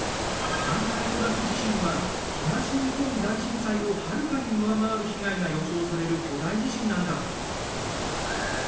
南海トラフ地震は東日本大震災をはるかに上回る被害が予想される巨大地震なんだ。